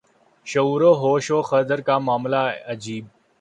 شعور و ہوش و خرد کا معاملہ ہے عجیب